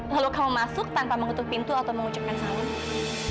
lalu kamu masuk tanpa mengutuk pintu atau mengucapkan salam